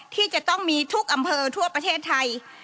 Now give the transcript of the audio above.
ที่จะต้องมีทุกอำเภอทั่วประเทศไทย